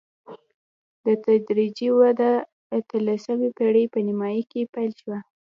دا تدریجي وده د اتلسمې پېړۍ په نیمايي کې پیل شوه.